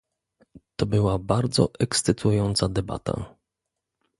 To była bardzo ekscytująca debata